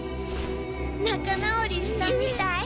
仲直りしたみたい。